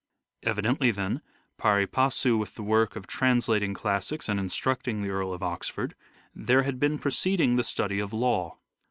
Evidently then, pari passu with the work of translating classics and instructing the Earl of Oxford, there had been proceeding the study of law.